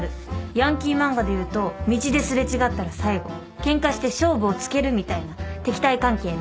ヤンキー漫画で言うと道で擦れ違ったら最後ケンカして勝負をつけるみたいな敵対関係ね。